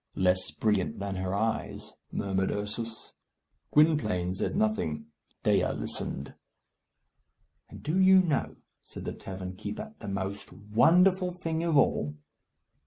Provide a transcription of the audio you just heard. "Less brilliant than her eyes," murmured Ursus. Gwynplaine said nothing. Dea listened. "And do you know," said the tavern keeper, "the most wonderful thing of all?"